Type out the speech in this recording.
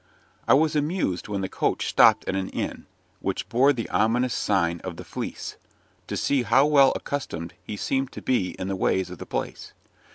I was amused when the coach stopped at an inn, which bore the ominous sign of the "Fleece," to see how well accustomed he seemed to be to the ways of the place.